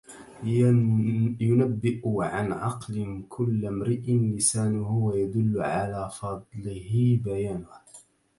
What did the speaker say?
ينبّئ عن عقل كل امرءٍ لسانه، ويدلّ على فضله بيانه.